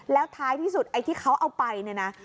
แล้วท้ายที่สุดไอ้ที่เขาเอาไปเนี่ยนะ